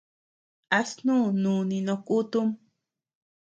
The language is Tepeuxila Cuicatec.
¿A snú núni no kutum?